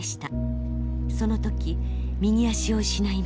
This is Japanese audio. その時右足を失いました。